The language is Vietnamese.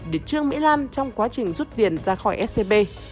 để trương mỹ lan trong quá trình rút tiền ra khỏi scb